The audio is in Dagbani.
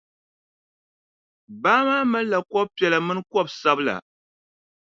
Baa maa malila kɔbʼ piɛla mini kɔbʼ sabila.